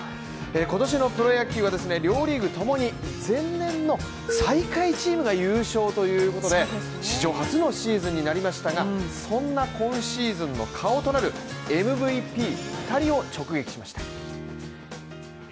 今年のプロ野球は両リーグともに前年の最下位チームが優勝ということで、史上初のシーズンになりましたが、そんな今シーズンの顔となるＭＶＰ２人を直撃しました。